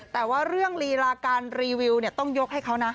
แต่ว่าเรื่องลีลาการรีวิวต้องยกให้เขานะ